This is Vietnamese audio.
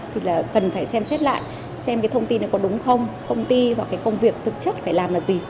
thì là cần phải xem xét lại xem cái thông tin này có đúng không công ty hoặc cái công việc thực chất phải làm là gì